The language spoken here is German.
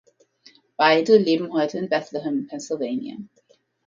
Beide leben heute in Bethlehem (Pennsylvania).